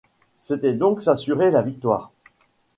C’était donc s’assurer la victoire.